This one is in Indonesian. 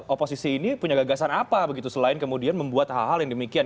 oposisi ini punya gagasan apa begitu selain kemudian membuat hal hal yang demikian